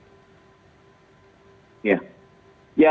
ya kalau kami ya di media ya